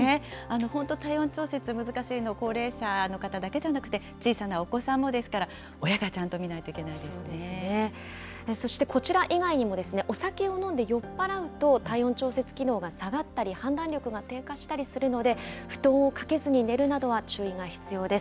本当体温調節難しいの、高齢者の方だけじゃなくて、小さなお子さんもですから、親がちゃんとみなそしてこちら以外にも、お酒を飲んで酔っ払うと、体温調節機能が下がったり、判断力が低下したりするので、布団をかけずに寝るなどは注意が必要です。